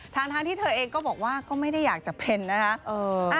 ทั้งที่เธอเองก็บอกว่าก็ไม่ได้อยากจะเป็นนะคะ